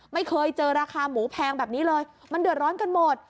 ไม่เคยเจอราคาหมูแพงแบบนี้เลยมันเดือดร้อนกันหมด